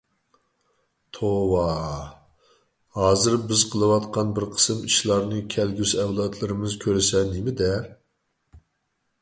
توۋا، ھازىر بىز قىلىۋاتقان بىر قىسىم ئىشلارنى كەلگۈسى ئەۋلادلىرىمىز كۆرسە نېمە دەر؟